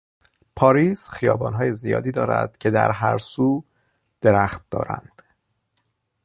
پاریس خیابانهای زیادی دارد که در هر سو درخت دارند.